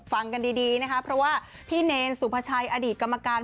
ฟังกันดีนะคะเพราะว่าพี่เนรสุภาชัยอดีตกรรมการ